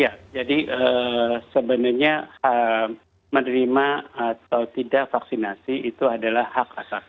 ya jadi sebenarnya menerima atau tidak vaksinasi itu adalah hak asasi